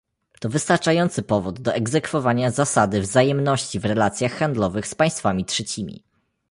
To wystarczający powód do egzekwowania zasady wzajemności w relacjach handlowych z państwami trzecimi